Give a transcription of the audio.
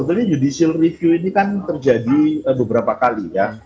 sebetulnya judicial review ini kan terjadi beberapa kali ya